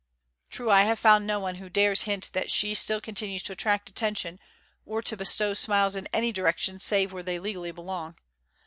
True, I have found no one who dares hint that she still continues to attract attention or to bestow smiles in any direction save where they legally belong.